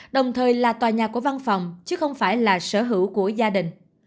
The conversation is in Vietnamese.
đồng thời là tòa nhà của văn phòng chứ không phải là sở hữu của gia đình